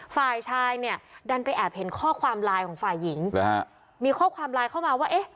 ฝ่ายชายเนี่ยดันไปแอบเห็นข้อความไลน์ของฝ่ายหญิงหรือฮะมีข้อความไลน์เข้ามาว่าเอ๊ะ